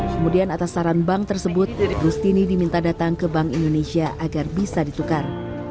kemudian atas saran bank tersebut rustini diminta datang ke bank indonesia agar bisa ditukar